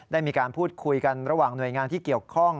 ได้มีการพูดคุยกันระหว่างหน่วยงานที่เกี่ยวข้อง